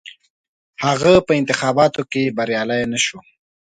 هغه په انتخاباتو کې بریالی نه شو.